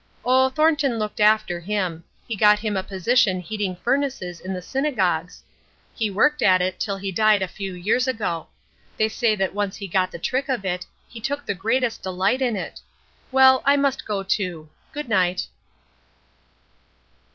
"Oh, Thornton looked after him. He got him a position heating furnaces in the synagogues. He worked at it till he died a few years ago. They say that once he got the trick of it he took the greatest delight in it. Well, I must go too. Good night."